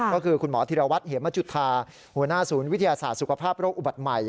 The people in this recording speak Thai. ก็คือคุณหมอธิรวัตรเหมจุธาหัวหน้าศูนย์วิทยาศาสตร์สุขภาพโรคอุบัติใหม่